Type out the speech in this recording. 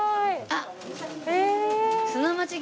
あっ！